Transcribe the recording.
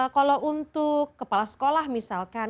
kalau untuk kepala sekolah misalkan